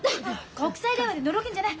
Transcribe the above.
国際電話でのろけんじゃない。